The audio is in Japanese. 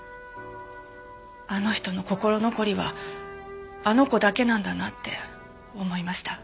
あの人の心残りはあの子だけなんだなって思いました。